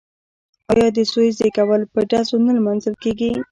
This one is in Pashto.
آیا د زوی زیږیدل په ډزو نه لمانځل کیږي؟